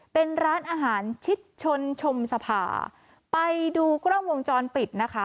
เป็นร้านอาหารชิดชนชมสภาไปดูกล้องวงจรปิดนะคะ